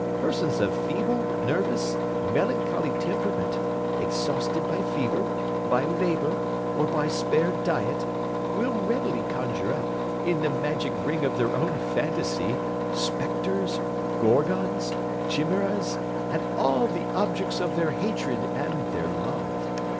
Persons of feeble, nervous, melancholy temperament, exhausted by fever, by labour, or by spare diet, will readily conjure up, in the magic ring of their own phantasy, spectres, gorgons, chimaeras, and all the objects of their hatred and their love.